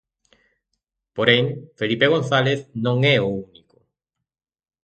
Porén, Felipe González non é o único.